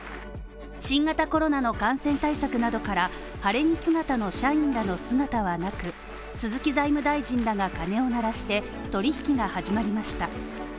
新型コロナの感染対策などから、晴れ着姿の社員らの姿はなく、鈴木財務大臣らが鐘を鳴らして取引が始まりました。